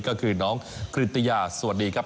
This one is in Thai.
ก็คือน้องกริตยาสวัสดีครับ